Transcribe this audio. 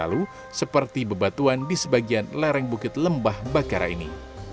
lalu seperti bebatuan di sebagian lereng bukit lembah bakara ini